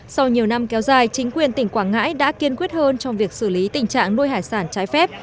sau nhiều năm kéo dài chính quyền tỉnh quảng ngãi đã kiên quyết hơn trong việc xử lý tình trạng nuôi hải sản trái phép